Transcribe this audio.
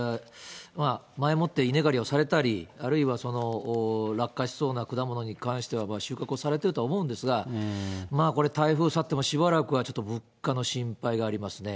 前もって稲刈りをされたり、あるいは落果しそうな果物に関しては、収穫をされてると思うんですが、これ、台風去ってもしばらくは物価の心配がありますね。